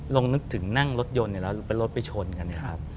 ลองนึกถึงนั่งรถยนต์แล้วรถไปชนกัน